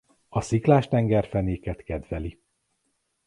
A sziklás tengerfenéket kedveli.